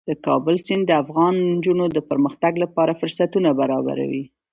د کابل سیند د افغان نجونو د پرمختګ لپاره فرصتونه برابروي.